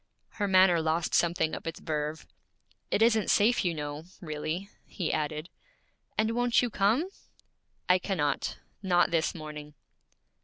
Her manner lost something of its verve. 'It isn't safe, you know, really,' he added. 'And won't you come?' 'I cannot; not this morning.'